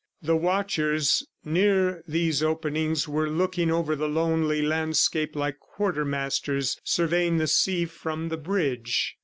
The watchers near these openings were looking over the lonely landscape like quartermasters surveying the sea from the bridge.